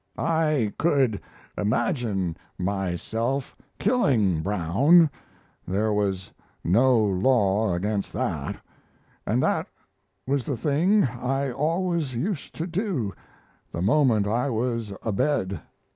I could imagine myself killing Brown; there was no law against that, and that was the thing I always used to do the moment I was abed.